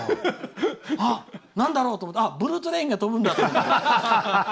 あ、なんだろうと思ったらブルートレインが飛ぶんだと思って。